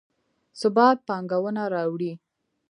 ثبات پانګونه راوړي